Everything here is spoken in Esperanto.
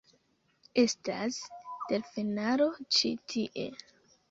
Estas... delfenaro ĉi tie.